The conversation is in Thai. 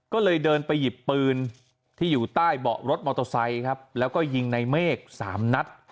ก็เลยเดินไปหยิบปืนที่อยู่ใต้เบาะรถมอเตอร์ไซค์ครับแล้วก็ยิงในเมฆสามนัด